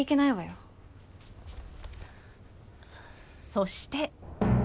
そして。